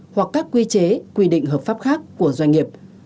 hoặc các quy chế quy định hợp pháp khác của doanh nghiệp